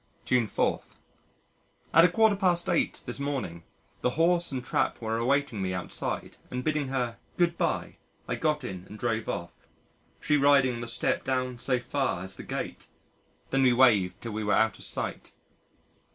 June 4. At a quarter past eight, this morning, the horse and trap were awaiting me outside, and bidding her "Goodbye" I got in and drove off she riding on the step down so far, as the gate. Then we waved till we were out of sight.